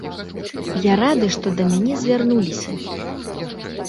Я рады, што да мяне звярнуліся.